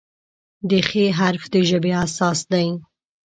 د "خ" حرف د ژبې اساس دی.